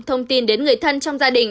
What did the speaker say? thông tin đến người thân trong gia đình